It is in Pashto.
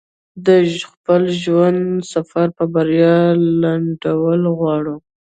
د خپل ژوند سفر په بريا لنډول غواړي.